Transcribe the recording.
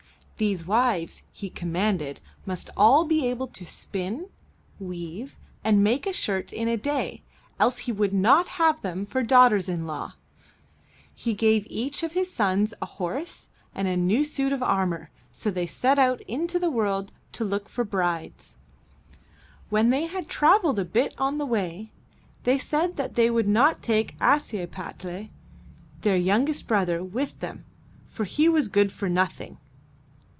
These wives, he commanded, must all be able to spin, weave, and make a shirt in a day, else he would not have them for daughters in law. He gave each of his sons a horse and a new suit of armor, so they set out into the world to look for brides. When they had traveled a bit on the way, they said that they would not take Ashiepattle, their young est brother, with them, for he was good for nothing.